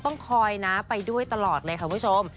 ต้องคอยนะไปด้วยตลอดเลยค่ะคุณผู้ชม